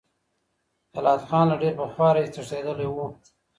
جلات خان له ډیر پخوا راهیسې تښتېدلی و.